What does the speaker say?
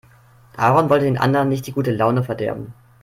Aaron wollte den anderen nicht die gute Laune verderben.